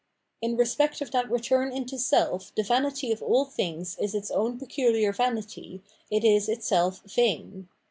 In respect of that return into self the vanity of aU things is its own peculiar vanity, it is itself vain.